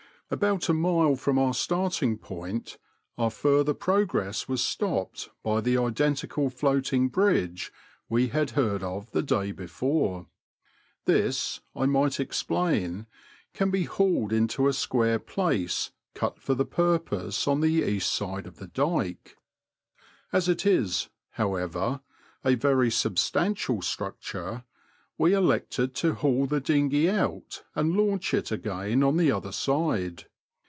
About a mile from our starting point our further pro gress was stopped by the identical floating bridge we had heard of the day before. This, I might explain, can be hauled into a square place cut for the purpose on the east side of the dyke. As it is, however, a very substantial structure, we elected to haul the dinghey out and launch it again on the other side.